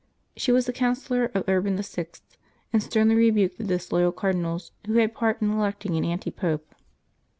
She was the counsellor of Urban VI., and sternly rebuked the disloyal cardinals who had part in electing an antipope.